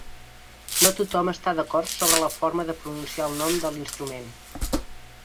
No tothom està d'acord sobre la forma de pronunciar el nom de l'instrument.